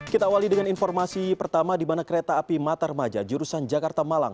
kita awali dengan informasi pertama di mana kereta api matarmaja jurusan jakarta malang